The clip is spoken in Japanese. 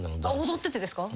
踊っててですか？